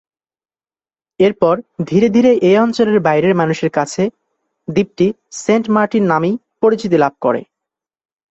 এরপর ধীরে ধীরে এই অঞ্চলের বাইরের মানুষের কাছে, দ্বীপটি সেন্ট মার্টিন নামেই পরিচিত লাভ করে।